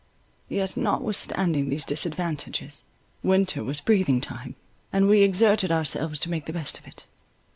Yet notwithstanding these disadvantages winter was breathing time; and we exerted ourselves to make the best of it.